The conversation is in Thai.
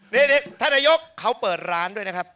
นี่ท่านนายกเขาเปิดร้านด้วยนะครับ